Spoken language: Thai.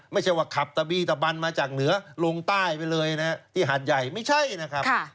ไม่ใช่ว่าขับตะบีตะบันมาจากเหนือลงใต้ไปเลยนะที่หาดใหญ่ไม่ใช่นะครับ